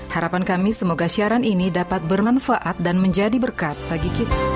harapan kami semoga siaran ini dapat bermanfaat dan menjadi berkat bagi kita semua